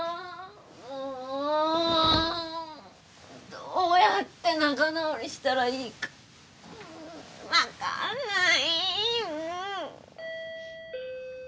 どうやって仲直りしたらいいかわかんない！